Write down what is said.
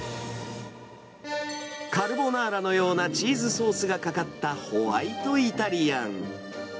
カルボナーラのようなチーズソースがかかったホワイトイタリアン。